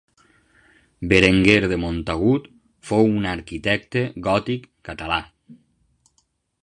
Berenguer de Montagut fou un arquitecte gòtic català